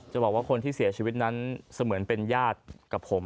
บอกว่าคนที่เสียชีวิตนั้นเสมือนเป็นญาติกับผม